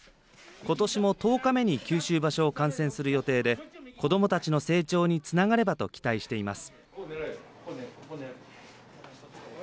ことしも十日目に九州場所を観戦する予定で子どもたちの成長につながればと期待しています。